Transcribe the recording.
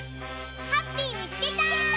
ハッピーみつけた！